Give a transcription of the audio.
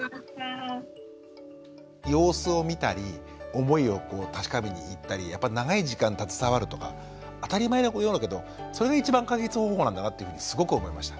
様子を見たり思いを確かめに行ったりやっぱ長い時間携わるとか当たり前のようだけどそれが一番解決方法なんだなっていうふうにすごく思いました。